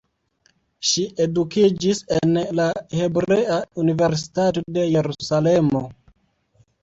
Ŝi edukiĝis en la Hebrea Universitato de Jerusalemo.